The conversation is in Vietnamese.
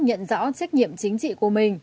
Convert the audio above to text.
nhận rõ trách nhiệm chính trị của mình